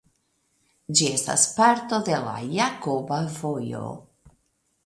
Ĝi estas parto de la Jakoba Vojo.